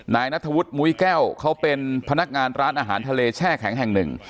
นายนัทธวุฒิมุ้ยแก้วเขาเป็นพนักงานร้านอาหารทะเลแช่แข็งแห่งหนึ่ง